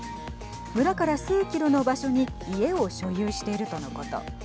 村から数キロの場所に家を所有しているとのこと。